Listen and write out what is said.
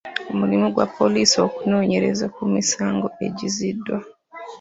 Mulimu gwa poliisi okunoonyereza ku misango egizziddwa.